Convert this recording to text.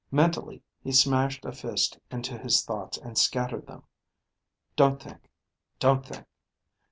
Mentally he smashed a fist into his thoughts and scattered them. Don't think. Don't think.